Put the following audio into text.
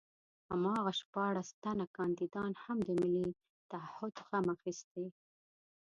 هماغه شپاړس تنه کاندیدان هم د ملي تعهُد غم اخیستي.